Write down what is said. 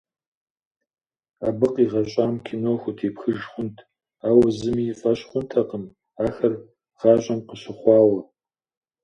Абы къигъэщӏам кино хутепхыж хъунт, ауэ зыми и фӏэщ хъунтэкъым ахэр гъащӏэм къыщыхъуауэ.